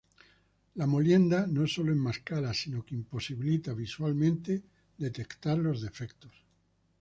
La molienda no solo enmascara, sino que imposibilita visualmente detectar los defectos.